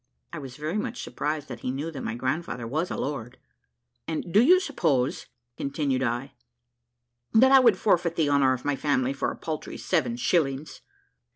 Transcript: (I was very much surprised that he knew that my grandfather was a lord.) "And do you suppose," continued I, "that I would forfeit the honour of my family for a paltry seven shillings?"